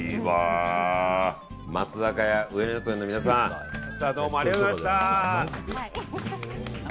松坂屋上野店の皆さんどうもありがとうございました！